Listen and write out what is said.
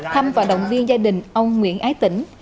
thăm và động viên gia đình ông nguyễn ái tỉnh